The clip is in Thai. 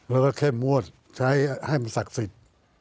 เราก็แค่มวดให้มันศักดิ์สิทธิ์